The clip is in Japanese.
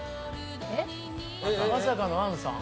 えっ？まさかの杏さん？